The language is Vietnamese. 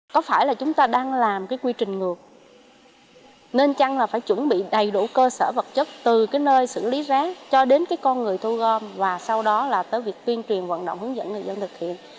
có phải là chúng ta đang làm cái quy trình ngược nên chăng là phải chuẩn bị đầy đủ cơ sở vật chất từ cái nơi xử lý rác cho đến cái con người thu gom và sau đó là tới việc tuyên truyền vận động hướng dẫn người dân thực hiện